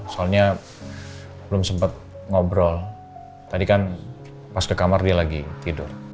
soalnya belum sempat ngobrol tadi kan pas ke kamar dia lagi tidur